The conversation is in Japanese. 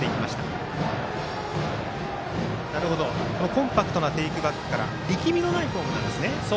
コンパクトなテイクバックから力みのないフォームなんですね。